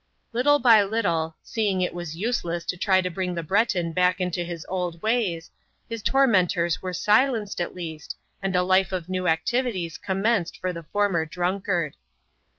Little by little, seeing it was useless to try to bring the Breton back into his old ways, his tormentors were silenced at least, and a life of new activities commenced for the former drunkard.